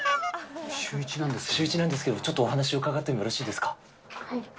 シューイチなんですけども、ちょっとお話を伺ってもよろしいはい。